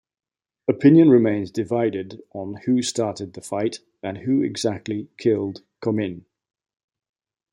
Opinion remains divided on who started the fight and who exactly killed Comyn.